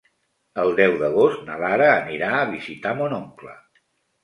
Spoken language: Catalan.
El deu d'agost na Lara anirà a visitar mon oncle.